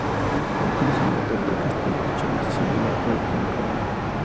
Incluso le otorgó el castillo de Choisy-le-Roi, como regalo.